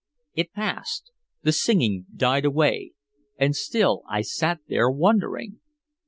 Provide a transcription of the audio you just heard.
It passed, the singing died away and still I sat there wondering.